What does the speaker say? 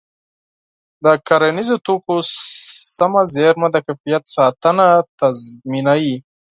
د کرنیزو توکو سمه زېرمه د کیفیت ساتنه تضمینوي.